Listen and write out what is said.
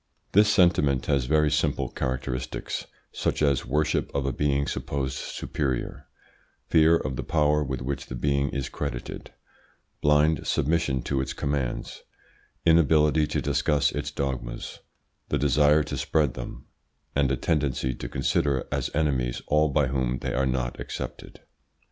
This sentiment has very simple characteristics, such as worship of a being supposed superior, fear of the power with which the being is credited, blind submission to its commands, inability to discuss its dogmas, the desire to spread them, and a tendency to consider as enemies all by whom they are not accepted.